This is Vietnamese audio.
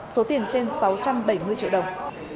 số tiền trên sáu trăm bảy mươi triệu đồng